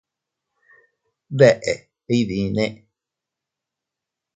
¿Deʼe iydinne?